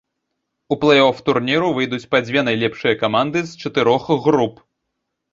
У плэй-оф турніру выйдуць па дзве найлепшыя каманды з чатырох груп.